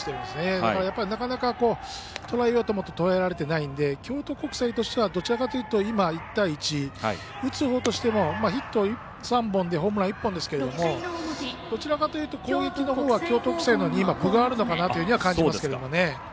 だから、なかなかとらえようと思ってとらえられてないんで京都国際としてはどちらかというと１対１打つほうとしてもヒット３本でホームラン１本ですけどどちらかというと、攻撃のほうは京都国際のほうに分があるのかなというふうには感じますけどね。